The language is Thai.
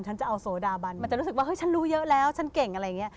มันจะรู้สึกว่าฉันรู้เยอะแล้วฉันเก่งอะไรอย่างนี้